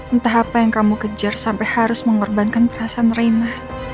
entah apa yang kamu kejar sampai harus mengorbankan perasaan rina